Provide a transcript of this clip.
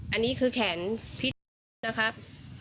อันนี้คือแขนพี่น้ำแข็งนะครับ